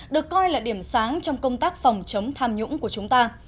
được coi là điểm sáng trong công tác phòng chống tham nhũng của chúng ta